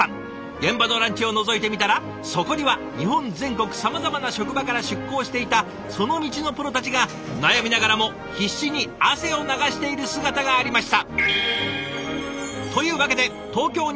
現場のランチをのぞいてみたらそこには日本全国さまざまな職場から出向していたその道のプロたちが悩みながらも必死に汗を流している姿がありました。